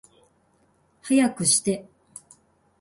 早くして